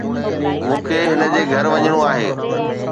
مون کي هن جي گهر وڃڻو آهي